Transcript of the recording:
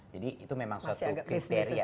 jadi itu memang suatu krisis masih agak krisis